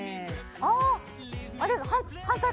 ああ